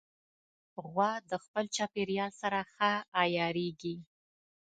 غوا د خپل چاپېریال سره ښه عیارېږي.